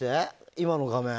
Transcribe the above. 今の画面。